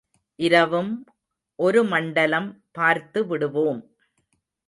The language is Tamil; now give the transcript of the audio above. இரவும் ஒரு மண்டலம் பார்த்து விடுவோம்.